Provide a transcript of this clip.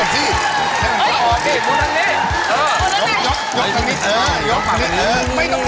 ได้มั้ยครับใช่ไหมครับว่ะที่